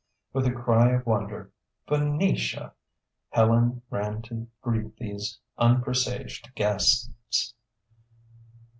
With a cry of wonder "Venetia!" Helena ran to greet these unpresaged guests.